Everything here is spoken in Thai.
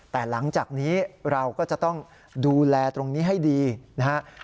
แต่หลังจากนี้เราก็จะต้องดูแลตรงนี้ให้ดีนะครับ